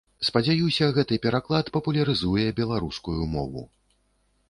Спадзяюся, гэты пераклад папулярызуе беларускую мову.